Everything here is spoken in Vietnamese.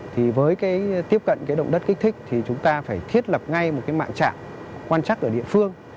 thì với cái tiếp cận cái động đất kích thích thì chúng ta phải thiết lập ngay một cái mạng trạm quan trắc ở địa phương